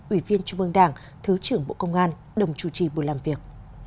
ủy viên trung ương đảng thứ trưởng bộ công an đồng chủ trì buổi làm việc